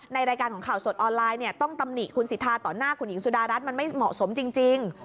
ในรายการของข่าวสดออนไลน์เนี่ยต้องตำหนิคุณสิทธาต่อหน้าคุณหญิงสุดารัฐมันไม่เหมาะสมจริง